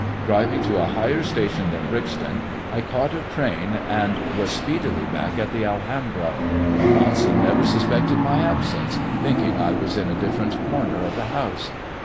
Driviiu a higher station than Brixton, I caught a train and 1 speedily back at the Alhambra, Monson never suspes my absence, thinking I was in a different corner o( ] house.